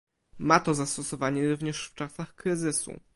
Ma to zastosowanie również w czasach kryzysu